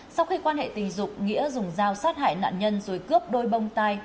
sau khi quan hệ tình dục nghĩa dùng dao sát hại nạn nhân rồi cướp đôi bông tai